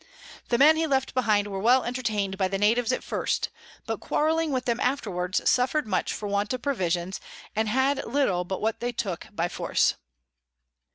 The Men he left behind were well entertain'd by the Natives at first, but quarrelling with them afterwards, suffer'd much for want of Provisions, and had little but what they took by force.